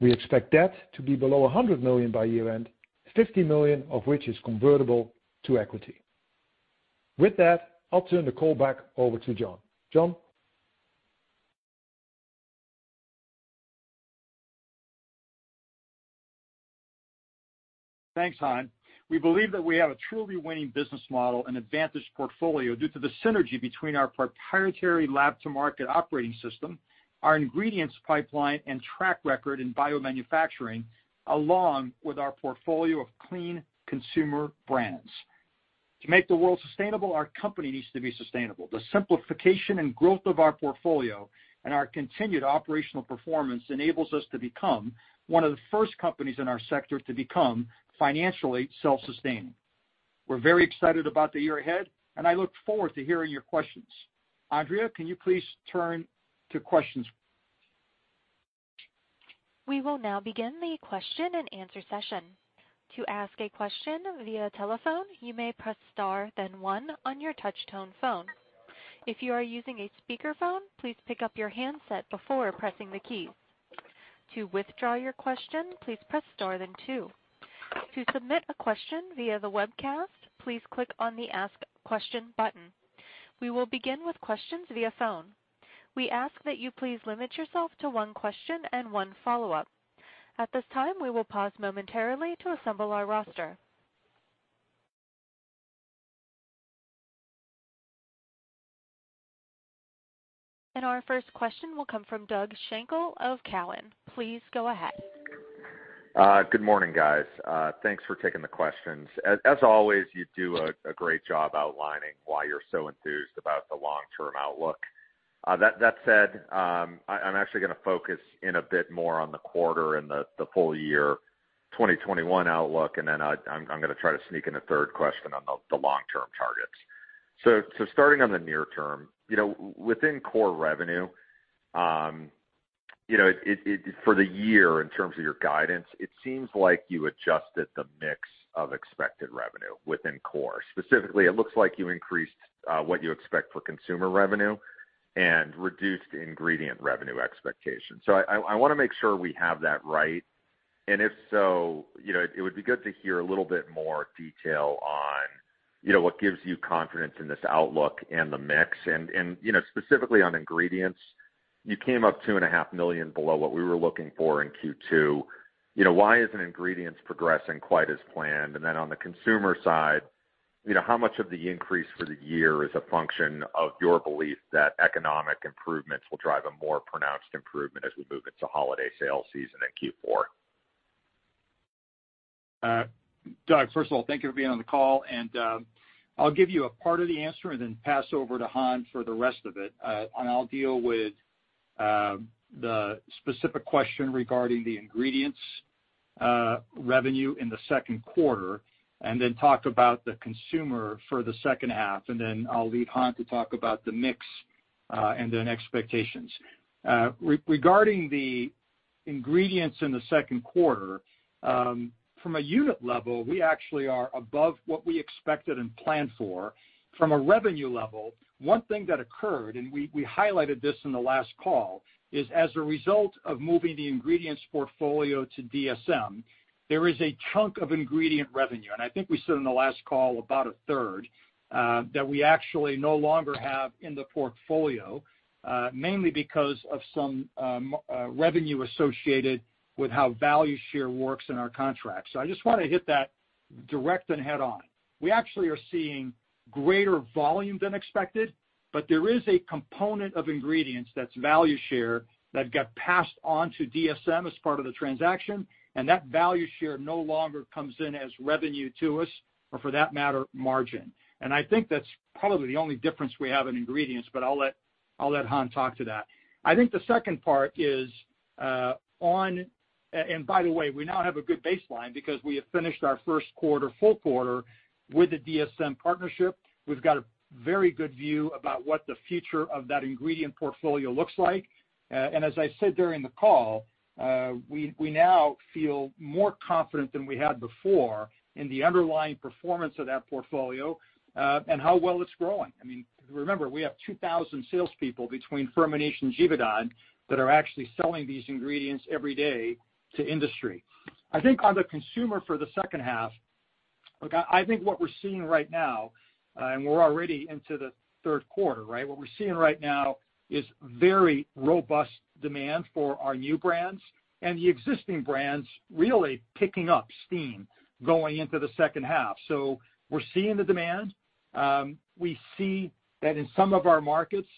We expect debt to be below $100 million by year-end, $50 million of which is convertible to equity. With that, I'll turn the call back over to John. John? Thanks, Han. We believe that we have a truly winning business model and advantage portfolio due to the synergy between our proprietary lab-to-market operating system, our ingredients pipeline, and track record in biomanufacturing, along with our portfolio of clean consumer brands. To make the world sustainable, our company needs to be sustainable. The simplification and growth of our portfolio and our continued operational performance enables us to become one of the first companies in our sector to become financially self-sustaining. We're very excited about the year ahead. I look forward to hearing your questions. Andrea, can you please turn to questions? We will now begin the question and answer session. Our first question will come from Doug Schenkel of Cowen. Please go ahead. Good morning, guys. Thanks for taking the questions. As always, you do a great job outlining why you're so enthused about the long-term outlook. I'm actually going to focus in a bit more on the quarter and the full- year 2021 outlook, then I'm going to try to sneak in a third question on the long-term targets. Starting on the near- term, within core revenue, for the year, in terms of your guidance, it seems like you adjusted the mix of expected revenue within core. Specifically, it looks like you increased what you expect for consumer revenue and reduced ingredient revenue expectations. I want to make sure we have that right. If so, it would be good to hear a little bit more detail on what gives you confidence in this outlook and the mix. Specifically on ingredients, you came up two and a half million below what we were looking for in Q2. Why isn't ingredients progressing quite as planned? On the consumer side, how much of the increase for the year is a function of your belief that economic improvements will drive a more pronounced improvement as we move into holiday sales season in Q4? Doug, first of all, thank you for being on the call. I'll give you a part of the answer and then pass over to Han for the rest of it. I'll deal with the specific question regarding the ingredients revenue in the second quarter, and then talk about the consumer for the second half. I'll leave Han to talk about the mix and then expectations. Regarding the ingredients in the second quarter, from a unit level, we actually are above what we expected and planned for. From a revenue level, one thing that occurred, we highlighted this in the last call, is as a result of moving the ingredients portfolio to DSM, there is a chunk of ingredient revenue, I think we said in the last call about a third, that we actually no longer have in the portfolio, mainly because of some revenue associated with how value share works in our contracts. I just want to hit that direct and head-on. We actually are seeing greater volume than expected, there is a component of ingredients that's value share that got passed on to DSM as part of the transaction, that value share no longer comes in as revenue to us, or for that matter, margin. I think that's probably the only difference we have in ingredients, I'll let Han talk to that. I think the second part is, by the way, we now have a good baseline because we have finished our first quarter, full quarter with the DSM partnership. We've got a very good view about what the future of that ingredient portfolio looks like. As I said during the call, we now feel more confident than we had before in the underlying performance of that portfolio and how well it's growing. Remember, we have 2,000 salespeople between Firmenich and Givaudan that are actually selling these ingredients every day to industry. I think on the consumer for the second half, look, I think what we're seeing right now, and we're already into the third quarter, right? What we're seeing right now is very robust demand for our new brands and the existing brands really picking up steam going into the second half. We're seeing the demand. We see that in some of our markets,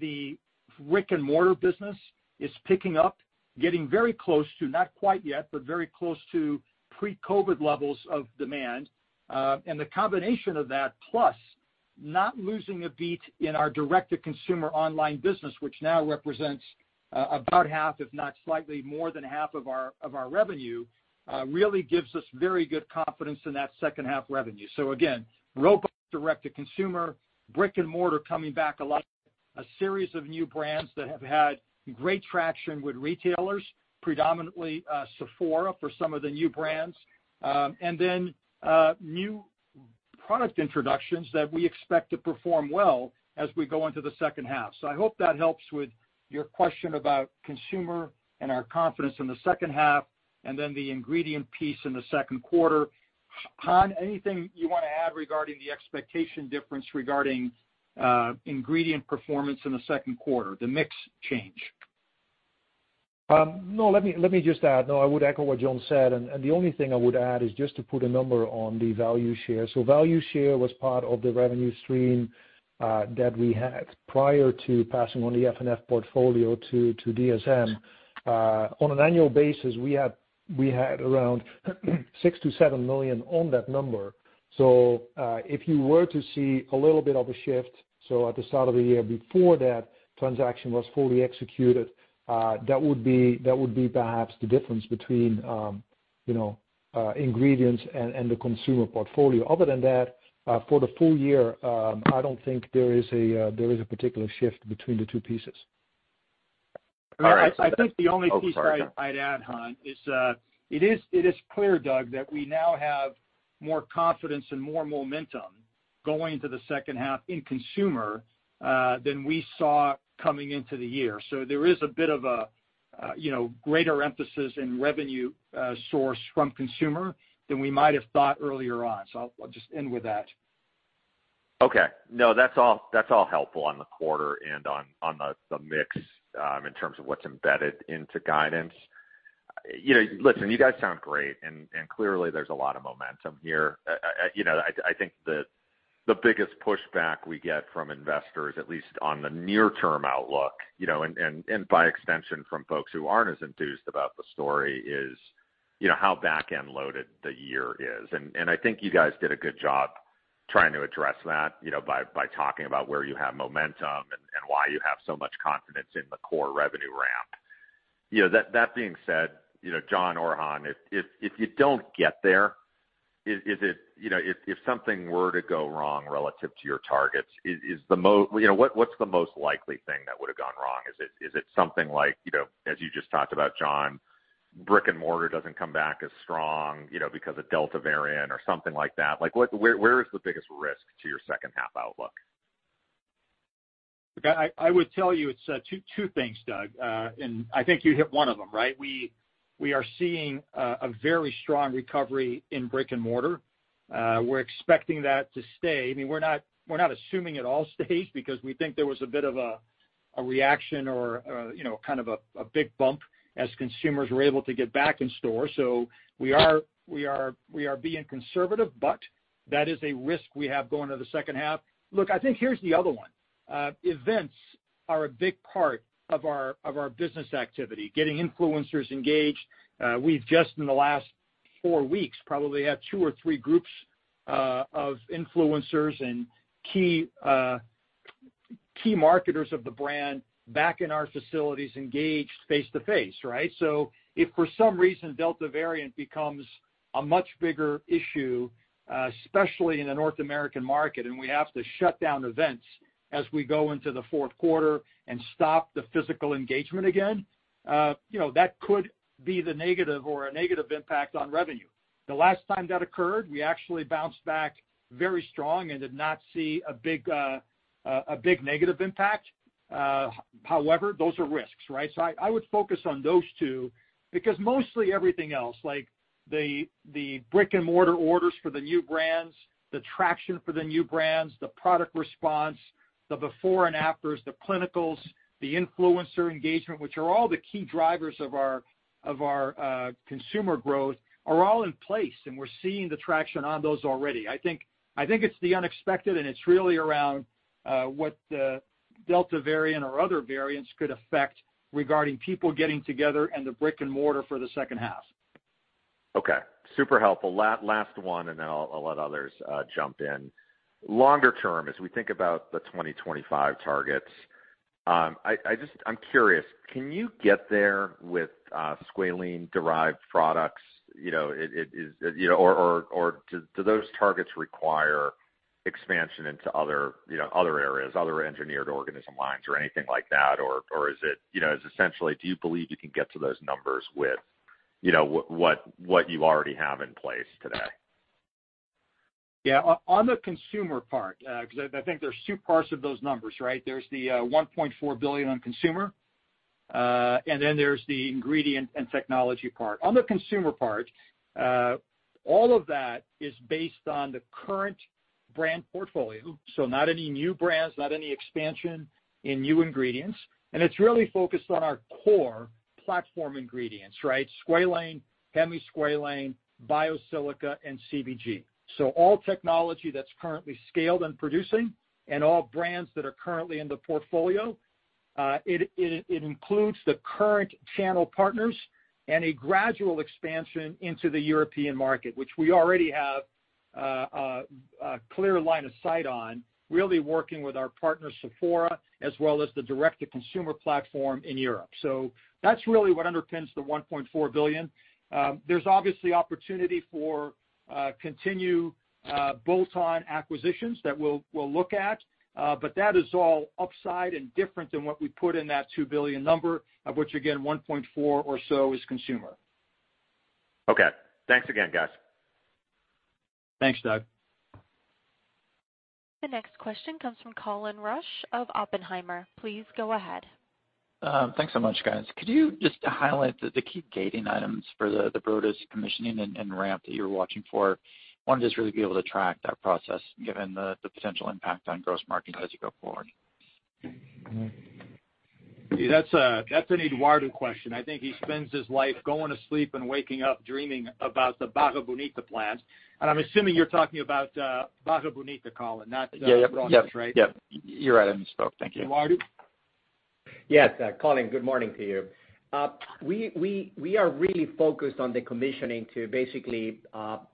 the brick-and-mortar business is picking up, getting very close to, not quite yet, but very close to pre-COVID levels of demand. The combination of that, plus not losing a beat in our direct-to-consumer online business, which now represents about half, if not slightly more than half of our revenue, really gives us very good confidence in that second half revenue. Again, robust direct-to-consumer, brick-and-mortar coming back a lot, a series of new brands that have had great traction with retailers, predominantly Sephora for some of the new brands, and then new product introductions that we expect to perform well as we go into the second half. I hope that helps with your question about consumer and our confidence in the second half and then the ingredient piece in the second quarter. Han, anything you want to add regarding the expectation difference regarding ingredient performance in the second quarter, the mix change? No, let me just add. No, I would echo what John Melo said, the only thing I would add is just to put a number on the value share. Value share was part of the revenue stream that we had prior to passing on the F&F portfolio to DSM. On an annual basis, we had around $6 million-$7 million on that number. If you were to see a little bit of a shift, at the start of the year before that transaction was fully executed, that would be perhaps the difference between ingredients and the consumer portfolio. Other than that, for the full- year, I don't think there is a particular shift between the two pieces. All right. I think the only piece- Oh, sorry. I'd add, Han, it is clear, Doug, that we now have more confidence and more momentum going into the second half in consumer, than we saw coming into the year. There is a bit of a greater emphasis in revenue source from consumer than we might have thought earlier on. I'll just end with that. Okay. No, that's all helpful on the quarter and on the mix, in terms of what's embedded into guidance. Listen, you guys sound great, clearly, there's a lot of momentum here. I think the biggest pushback we get from investors, at least on the near-term outlook, and by extension from folks who aren't as enthused about the story is how back-end loaded the year is. I think you guys did a good job trying to address that by talking about where you have momentum and why you have so much confidence in the core revenue ramp. That being said, John or Han, if you don't get there, if something were to go wrong relative to your targets, what's the most likely thing that would've gone wrong? Is it something like, as you just talked about, John, brick and mortar doesn't come back as strong, because of Delta variant or something like that? Where is the biggest risk to your second half outlook? Look, I would tell you it's two things, Doug. I think you hit one of them, right? We are seeing a very strong recovery in brick and mortar. We're expecting that to stay. We're not assuming it all stays because we think there was a bit of a reaction or kind of a big bump as consumers were able to get back in store. We are being conservative, but that is a risk we have going to the second half. Look, I think here's the other one. Events are a big part of our business activity, getting influencers engaged. We've just, in the last four weeks, probably had two or three groups of influencers and key marketers of the brand back in our facilities engaged face-to-face, right? If for some reason Delta variant becomes a much bigger issue, especially in the North American market, and we have to shut down events as we go into the fourth quarter and stop the physical engagement again, that could be the negative or a negative impact on revenue. The last time that occurred, we actually bounced back very strong and did not see a big negative impact. However, those are risks, right? I would focus on those two, because mostly everything else, like the brick and mortar orders for the new brands, the traction for the new brands, the product response, the before and afters, the clinicals, the influencer engagement, which are all the key drivers of our consumer growth, are all in place, and we're seeing the traction on those already. I think it's the unexpected, and it's really around what the Delta variant or other variants could affect regarding people getting together and the brick and mortar for the second half. Okay. Super helpful. Last one, and then I'll let others jump in. Longer- term, as we think about the 2025 targets, I'm curious, can you get there with squalane-derived products? Or do those targets require expansion into other areas, other engineered organism lines or anything like that? Or essentially, do you believe you can get to those numbers with what you already have in place today? Yeah. On the consumer part, I think there's two parts of those numbers, right? There's the $1.4 billion on consumer, then there's the ingredient and technology part. On the consumer part, all of that is based on the current brand portfolio. Not any new brands, not any expansion in new ingredients, it's really focused on our core platform ingredients, right? Squalane, hemisqualane, Biosilica, and CBG. All technology that's currently scaled and producing and all brands that are currently in the portfolio. It includes the current channel partners and a gradual expansion into the European market, which we already have a clear line of sight on, really working with our partner, Sephora, as well as the direct-to-consumer platform in Europe. That's really what underpins the $1.4 billion. There's obviously opportunity for continued bolt-on acquisitions that we'll look at. That is all upside and different than what we put in that $2 billion number, of which, again, $1.4 or so is consumer. Okay. Thanks again, guys. Thanks, Doug. The next question comes from Colin Rusch of Oppenheimer. Please go ahead. Thanks so much, guys. Could you just highlight the key gating items for the Brotas commissioning and ramp that you're watching for? We want to just really be able to track that process, given the potential impact on gross margin as you go forward. That's an Eduardo question. I think he spends his life going to sleep and waking up dreaming about the Barra Bonita plant. I'm assuming you're talking about Barra Bonita, Colin, not. Yeah. Brotas, right? You're right on the spoke. Thank you. Eduardo? Yes, Colin, good morning to you. We are really focused on the commissioning to basically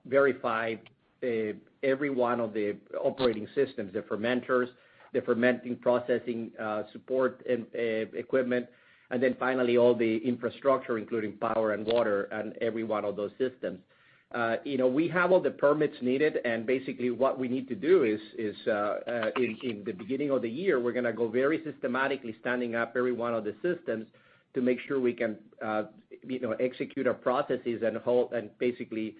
verify every one of the operating systems, the fermenters, the fermenting processing support equipment. Then finally, all the infrastructure, including power and water and every one of those systems. We have all the permits needed, and basically what we need to do is, in the beginning of the year, we're going to go very systematically standing up every one of the systems to make sure we can execute our processes and basically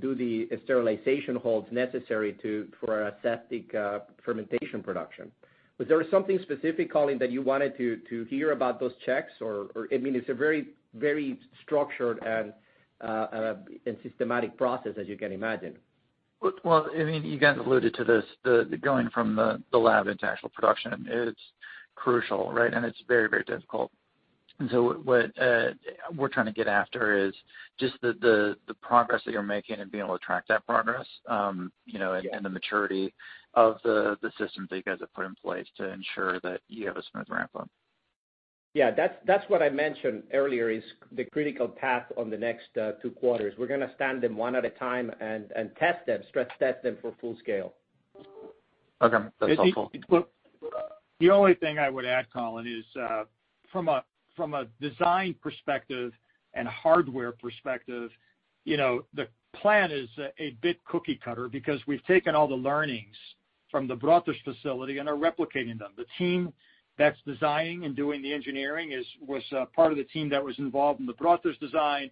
do the sterilization holds necessary for our aseptic fermentation production. Was there something specific, Colin, that you wanted to hear about those checks? It's a very structured and systematic process, as you can imagine. Well, you guys alluded to this, going from the lab into actual production, it's crucial, right? It's very difficult. What we're trying to get after is just the progress that you're making and being able to track that progress, and the maturity of the systems that you guys have put in place to ensure that you have a smooth ramp-up. Yeah, that's what I mentioned earlier is the critical path on the next two quarters. We're going to stand them one at a time and test them, stress test them for full scale. Okay. That's helpful. The only thing I would add, Colin, is from a design perspective and hardware perspective, the plan is a bit cookie cutter because we've taken all the learnings from the Brotas facility and are replicating them. The team that's designing and doing the engineering was part of the team that was involved in the Brotas design.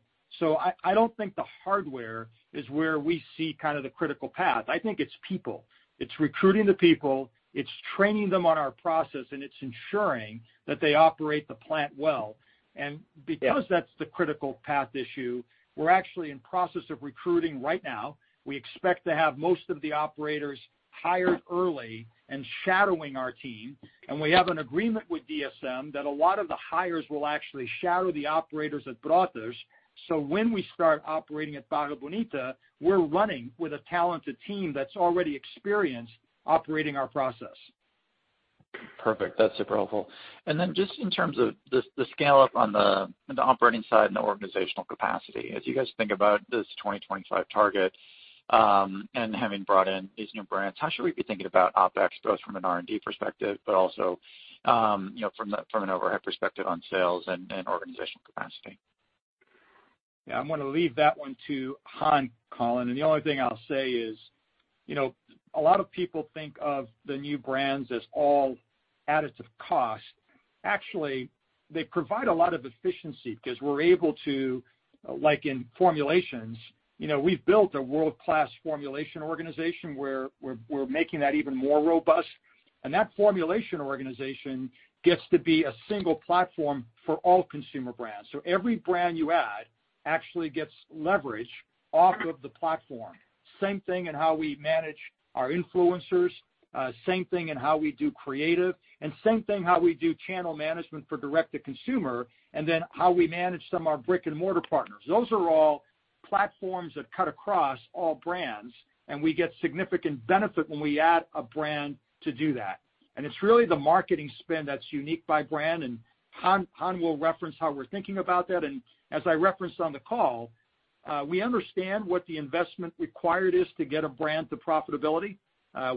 I don't think the hardware is where we see kind of the critical path. I think it's people. It's recruiting the people, it's training them on our process, and it's ensuring that they operate the plant well. Because that's the critical path issue, we're actually in process of recruiting right now. We expect to have most of the operators hired early and shadowing our team. We have an agreement with DSM that a lot of the hires will actually shadow the operators at Brotas, so when we start operating at Barra Bonita, we're running with a talented team that's already experienced operating our process. Perfect. That's super helpful. Just in terms of the scale-up on the operating side and the organizational capacity, as you guys think about this 2025 target, having brought in these new brands, how should we be thinking about OpEx, both from an R&D perspective, but also from an overhead perspective on sales and organizational capacity? Yeah, I'm going to leave that one to Han, Colin. The only thing I'll say is, a lot of people think of the new brands as all additive cost. Actually, they provide a lot of efficiency because we're able to, like in formulations, we've built a world-class formulation organization where we're making that even more robust. That formulation organization gets to be a single platform for all consumer brands. Every brand you add actually gets leverage off of the platform. Same thing in how we manage our influencers, same thing in how we do creative, and same thing how we do channel management for direct to consumer, and then how we manage some of our brick and mortar partners. Those are all platforms that cut across all brands, and we get significant benefit when we add a brand to do that. It's really the marketing spend that's unique by brand, and Han will reference how we're thinking about that. As I referenced on the call, we understand what the investment required is to get a brand to profitability.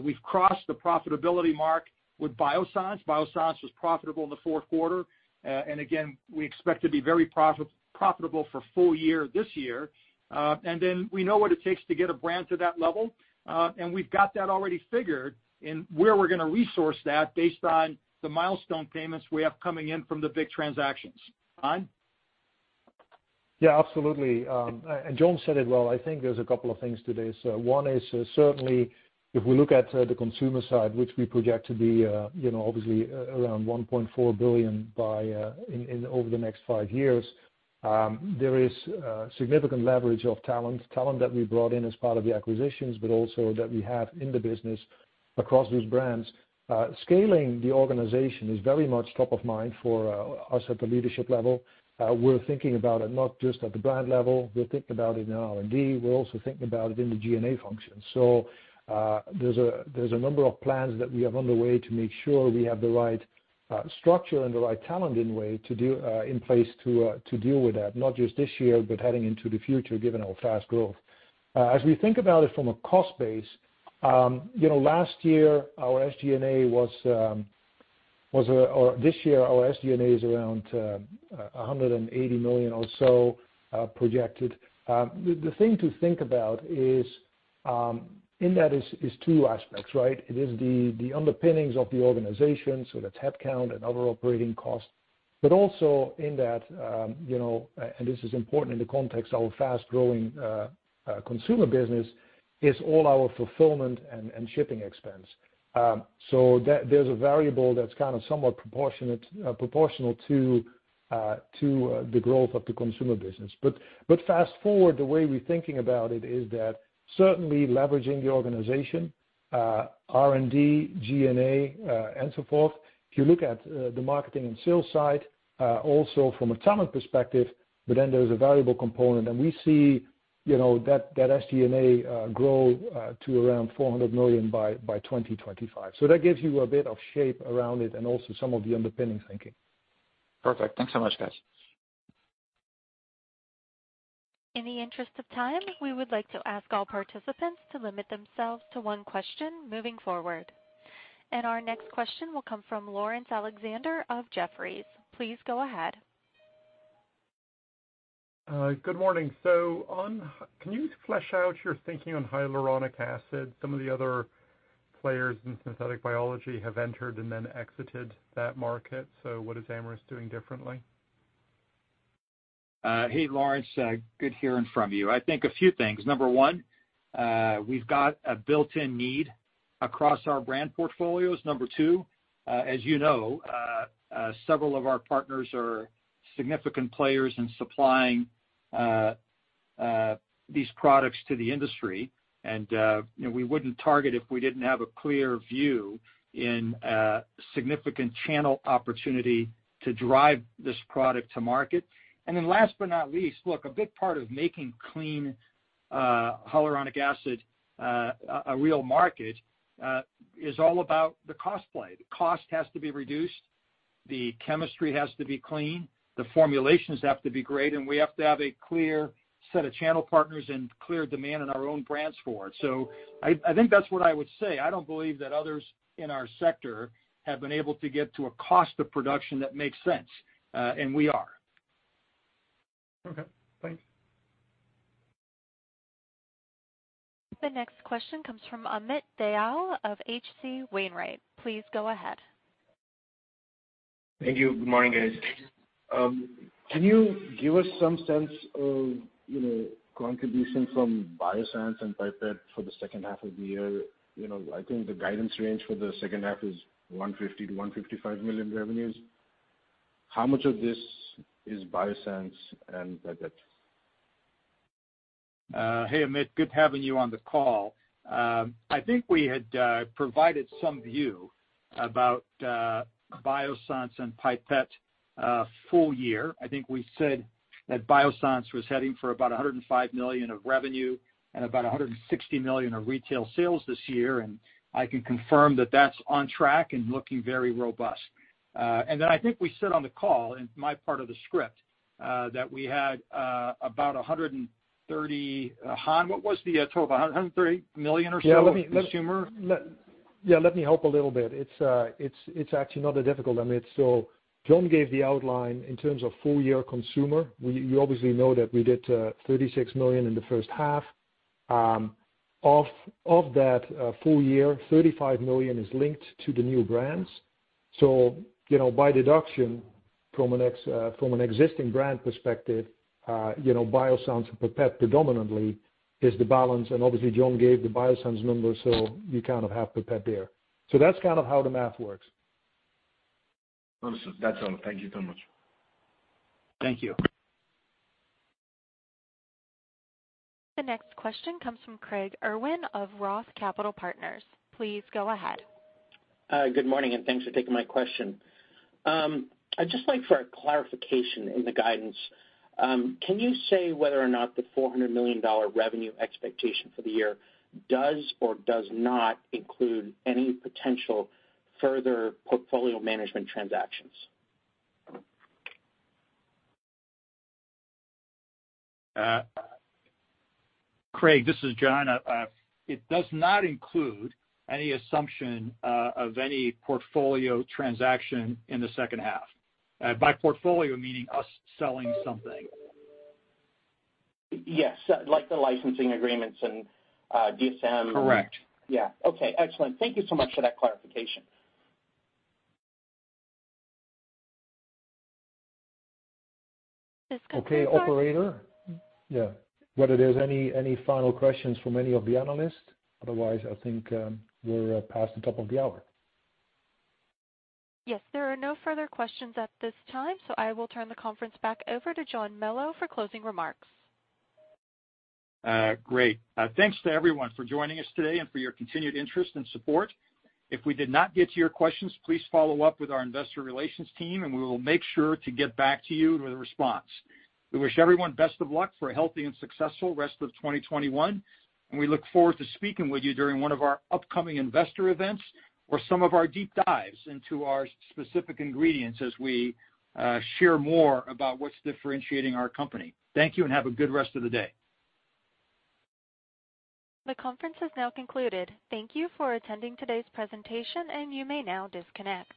We've crossed the profitability mark with Biossance. Biossance was profitable in the fourth quarter. Again, we expect to be very profitable for full- year this year. Then we know what it takes to get a brand to that level. We've got that already figured in where we're going to resource that based on the milestone payments we have coming in from the big transactions. Han? Absolutely. John Melo said it well. I think there's a couple of things to this. One is certainly if we look at the consumer side, which we project to be obviously around $1.4 billion over the next five years, there is significant leverage of talent that we brought in as part of the acquisitions, but also that we have in the business across these brands. Scaling the organization is very much top of mind for us at the leadership level. We're thinking about it not just at the brand level, we're thinking about it in R&D. We're also thinking about it in the G&A function. There's a number of plans that we have underway to make sure we have the right structure and the right talent in place to deal with that, not just this year, but heading into the future, given our fast growth. As we think about it from a cost base, this year, our SG&A is around $180 million or so projected. The thing to think about is in that is 2 aspects, right? It is the underpinnings of the organization, so the tech count and other operating costs, but also in that, and this is important in the context of our fast-growing consumer business, is all our fulfillment and shipping expense. There's a variable that's kind of somewhat proportional to the growth of the consumer business. Fast-forward, the way we're thinking about it is that certainly leveraging the organization, R&D, G&A, and so forth. If you look at the marketing and sales side, also from a talent perspective, but then there's a variable component, and we see that SG&A grow to around $400 million by 2025. That gives you a bit of shape around it and also some of the underpinning thinking. Perfect. Thanks so much, guys. In the interest of time, we would like to ask all participants to limit themselves to one question moving forward. Our next question will come from Laurence Alexander of Jefferies. Please go ahead. Good morning. Can you flesh out your thinking on hyaluronic acid? Some of the other players in synthetic biology have entered and then exited that market. What is Amyris doing differently? Hey, Laurence. Good hearing from you. I think a few things. Number 1, we've got a built-in need across our brand portfolios. Number 2, as you know, several of our partners are significant players in supplying these products to the industry. We wouldn't target if we didn't have a clear view in a significant channel opportunity to drive this product to market. Last but not least, look, a big part of making clean hyaluronic acid a real market, is all about the cost play. The cost has to be reduced, the chemistry has to be clean, the formulations have to be great, and we have to have a clear set of channel partners and clear demand in our own brands for it. I think that's what I would say. I don't believe that others in our sector have been able to get to a cost of production that makes sense, and we are. Okay, thanks. The next question comes from Amit Dayal of H.C. Wainwright. Please go ahead. Thank you. Good morning, guys. Can you give us some sense of contribution from Biossance and Pipette for the second half of the year? I think the guidance range for the second half is $150 million-$155 million revenues. How much of this is Biossance and Pipette? Hey, Amit, good having you on the call. I think we had provided some view about Biossance and Pipette full -year. I think we said that Biossance was heading for about $105 million of revenue and about $160 million of retail sales this year, and I can confirm that that's on track and looking very robust. I think we said on the call, in my part of the script, that we had about $130 Han, what was the total? $130 million or so of consumer? Yeah, let me help a little bit. It's actually not that difficult, Amit. John gave the outline in terms of full- year consumer. You obviously know that we did $36 million in the first half. Of that full- year, $35 million is linked to the new brands. By deduction from an existing brand perspective, Biossance and Pipette predominantly is the balance. Obviously John gave the Biossance numbers, you kind of have Pipette there. That's kind of how the math works. Understood. That's all. Thank you so much. Thank you. The next question comes from Craig Irwin of Roth Capital Partners. Please go ahead. Good morning, and thanks for taking my question. I'd just like for a clarification in the guidance. Can you say whether or not the $400 million revenue expectation for the year does or does not include any potential further portfolio management transactions? Craig, this is John. It does not include any assumption of any portfolio transaction in the second half. By portfolio, meaning us selling something. Yes, like the licensing agreements and DSM. Correct. Yeah. Okay, excellent. Thank you so much for that clarification. This concludes our- Okay, operator. Yeah. Whether there's any final questions from any of the analysts? Otherwise, I think we're past the top of the hour. Yes, there are no further questions at this time, so I will turn the conference back over to John Melo for closing remarks. Great. Thanks to everyone for joining us today and for your continued interest and support. If we did not get to your questions, please follow up with our investor relations team and we will make sure to get back to you with a response. We wish everyone best of luck for a healthy and successful rest of 2021, and we look forward to speaking with you during one of our upcoming investor events or some of our deep dives into our specific ingredients as we share more about what's differentiating our company. Thank you, and have a good rest of the day. The conference is now concluded. Thank you for attending today's presentation. You may now disconnect.